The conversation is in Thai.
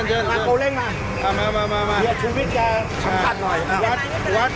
ชินมาโก้เล่งมาเอามามามามาคืนวิทยาชัมพันธุ์หน่อยวัด